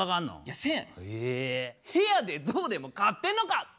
「部屋で象でも飼ってんのか！」